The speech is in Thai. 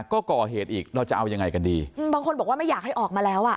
ก็ก่อเหตุอีกเราจะเอายังไงกันดีอืมบางคนบอกว่าไม่อยากให้ออกมาแล้วอ่ะ